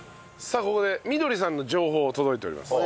さあここでみどりさんの情報届いております。